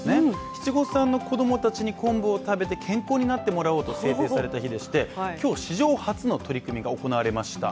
七五三の子供たちに昆布を食べて健康になってもらおうということで制定された日でして今日、史上初の取り組みが行われました。